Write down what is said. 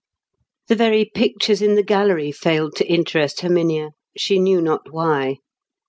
The very pictures in the gallery failed to interest Herminia, she knew not why.